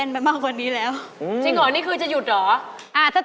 ไขมุ๊กรับไป๑๗๕๐๐บาท